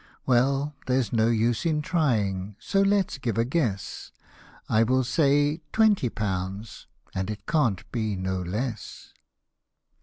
Well, there's no use in trying : so let's give a guess ; I will say twenty pounds, and it can't be no less.